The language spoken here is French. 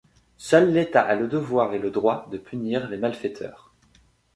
Seul l'État a le devoir et le droit de punir les malfaiteurs.